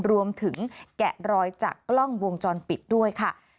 แกะรอยจากกล้องวงจรปิดด้วยค่ะ